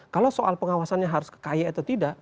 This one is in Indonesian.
kalau soal pengawasannya harus ke kay atau tidak